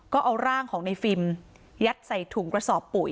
ก็เอาร่างของในฟิล์มยัดใส่ถุงกระสอบปุ๋ย